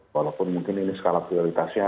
walaupun mungkin ini skala prioritasnya